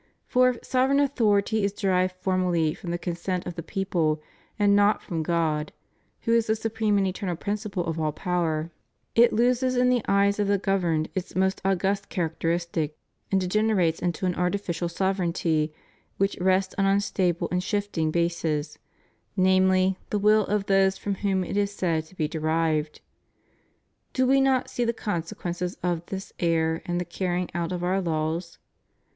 For if sovereign authority is derived formally from the consent of the people and not from God, who is the supreme and Eternal Principle of all power, it loses in the eyes of the governed its most august characteristic and degenerates into an artificial sovereignty which rests on unstable and shifting bases, namely, the will of those from whom it is said to be de rived. Do we not see the consequences of this error in the carrying out of our laws?